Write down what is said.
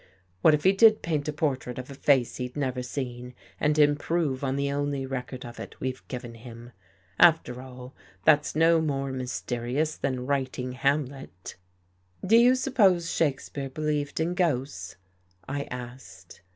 What if he did paint a portrait of a face he'd never seen and improve on the only record of it we've given him. After all, that's no more myste rious than writing Hamlet." " Do you suppose Shakespeare believed in ghosts?" I asked.